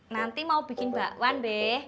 nanti mau bikin bakwan deh